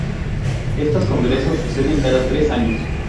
Estos congresos suceden cada tres años.